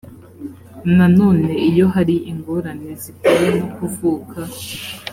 nanone iyo hari ingorane zitewe no kuvuka